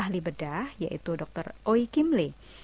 ahli bedah yaitu dokter oi kim lee